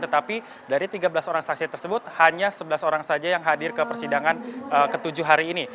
tetapi dari tiga belas orang saksi tersebut hanya sebelas orang saja yang hadir ke persidangan ke tujuh hari ini